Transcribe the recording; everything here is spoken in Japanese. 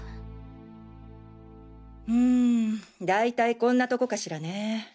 うんだいたいこんなとこかしらね。